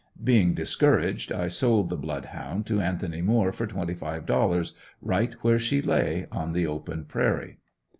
Being discouraged I sold the Blood Hound to Anthony Moore for twenty five dollars, right where she lay, on the open prairie.